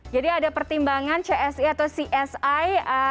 jadi ada pertimbangan csi atau csi